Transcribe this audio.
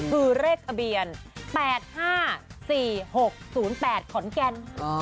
คือเลขทะเบียน๘๕๔๖๐๘ขอนแก่น